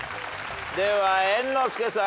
では猿之助さん。